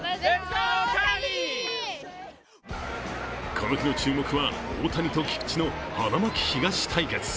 この日の注目は、大谷と菊池の花巻東対決。